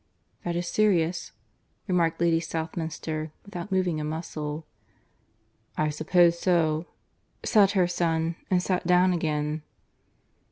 "That is serious?" remarked Lady Southminster, without moving a muscle. "I suppose so," said her son, and sat down again.